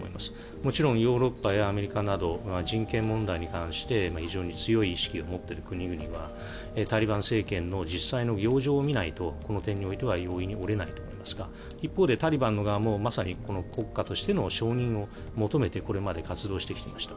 もちろんヨーロッパやアメリカなど人権問題に関して非常に強い意識を持っている国々はタリバン政権の実際の行状を見ないとこの点においては容易に折れないと思いますが一方でタリバン側もまさに国家としての承認を求めてこれまで活動してきていました。